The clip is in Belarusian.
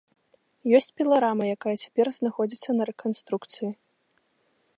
Ёсць піларама, якая цяпер знаходзіцца на рэканструкцыі.